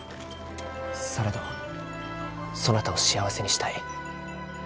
されどそなたを幸せにしたい。